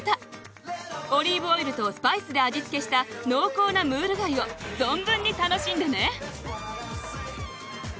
オリーブオイルとスパイスで味付けした濃厚なムール貝を存分に楽しんでね。